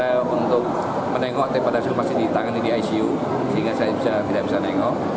gatot menanggung tepat asur masih di tangan di icu sehingga saya tidak bisa menanggung